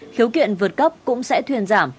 hiếu kiện vượt cấp cũng sẽ thuyền giảm